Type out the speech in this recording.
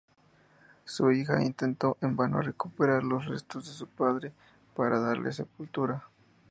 Su hija intentó en vano recuperar los restos de su padre para darles sepultura.